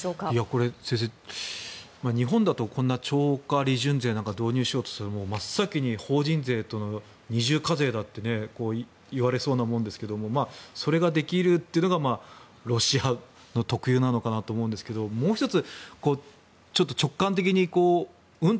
これ、先生日本だとこんな超過利潤税なんか導入しようとしたら、真っ先に法人税との二重課税だと言われそうなものですがそれができるというのがロシア特有なのかなと思いますがもう１つ、直感的にうん？